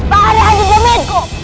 pahamlah di jemitku